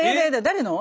誰の？